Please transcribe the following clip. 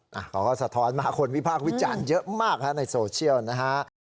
เขาก็สะท้อนมาคนวิพากษ์วิจารณ์เยอะมากฮะในโซเชียลนะฮะ